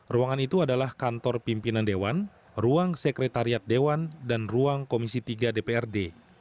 ruangan itu adalah kantor pimpinan dewan ruang sekretariat dewan dan ruang komisi tiga dprd